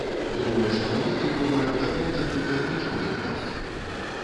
Думаю, што на гэтых выбарах такая тактыка нічога не дасць.